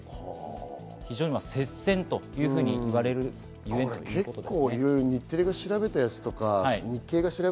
非常に接戦というふうに言われるところです。